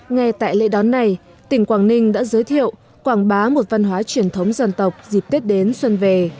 ngay tại lễ đón này tỉnh quảng ninh đã giới thiệu quảng bá một văn hóa truyền thống dân tộc dịp tết đến xuân về